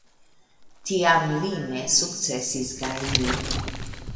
Tiam li ne sukcesis gajni.